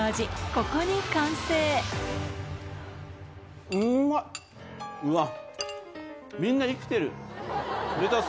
ここに完成うわっ。